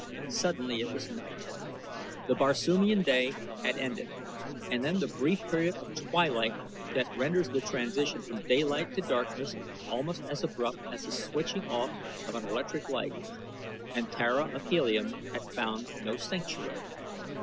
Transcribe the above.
Suddenly it was night. The Barsoomian day had ended, and then the brief period of twilight that renders the transition from daylight to darkness almost as abrupt as the switching off of an electric light, and Tara of Helium had found no sanctuary.